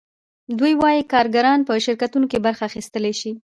دوی وايي کارګران په شرکتونو کې برخه اخیستلی شي